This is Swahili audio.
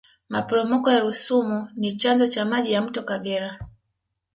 maporomoko ya rusumo ni chanzo cha maji ya mto kagera